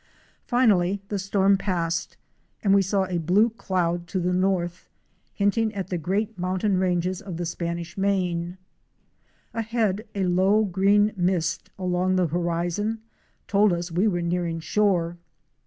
Finally the storm passed and we saw a blue cloud to the THE LAND OF A SINGLE TREE. 5 north, hinting of the great mountain ranges of the Spanish Main. Ahead, a low green mist along the horizon told us we were nearing shore.